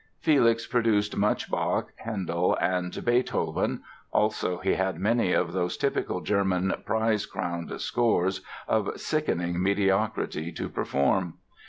Felix produced much Bach, Handel and Beethoven; also he had many of those typical German "prize crowned" scores of sickening mediocrity to perform.